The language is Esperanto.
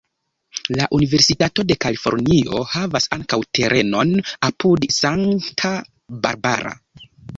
La Universitato de Kalifornio havas ankaŭ terenon apud Santa Barbara.